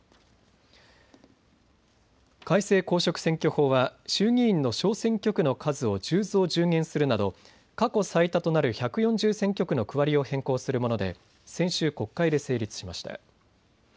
改正公職選挙法は衆議院の小選挙区の数を１０増１０減するなど、過去最多となる１４０選挙区の区割りを変更するもので先週、国会で成立しました。